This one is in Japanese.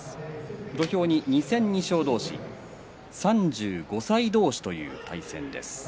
土俵に２戦２勝同士３５歳同士という対戦です。